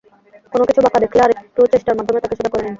কোনো কিছু বাঁকা দেখলে একটু চেষ্টার মাধ্যমে তাকে সোজা করে নিন।